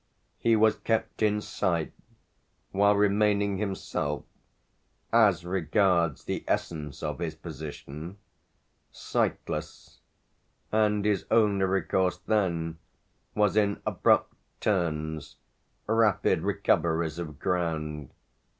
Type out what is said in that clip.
He was kept in sight while remaining himself as regards the essence of his position sightless, and his only recourse then was in abrupt turns, rapid recoveries of ground.